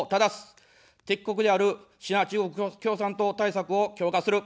敵国であるシナ、中国共産党対策を強化する。